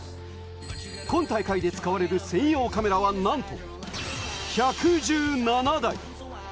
今大会で使われる専用カメラは、なんと１１７台。